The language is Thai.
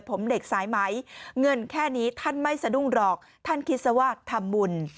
ผมเด็กสายไหมเงินแค่นี้ท่านไม่สะดุ้งหรอกท่านคิดซะว่าทำบุญ